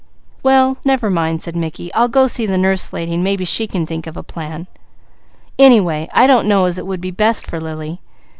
"Well never mind," said Mickey. "I'll go see the Nurse Lady and maybe she can think of a plan. Anyway I don't know as it would be best for Lily.